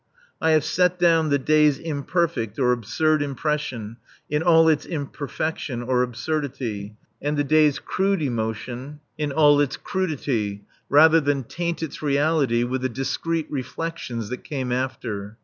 I have set down the day's imperfect or absurd impression, in all its imperfection or absurdity, and the day's crude emotion in all its crudity, rather than taint its reality with the discreet reflections that came after.